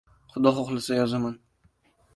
Xudo xohlasa, yozaman.